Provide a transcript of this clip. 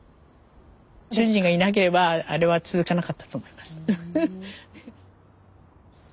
主人がいなければあれは続かなかったと思います。